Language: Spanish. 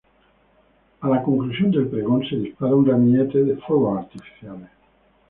A la conclusión del pregón, se dispara un ramillete de fuegos artificiales.